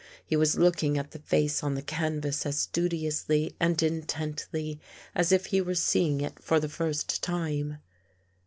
He was looking at the face on the canvas as studiously and intently as if he were seeing it for the first time.